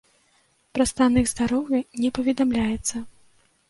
Пра стан іх здароўя не паведамляецца.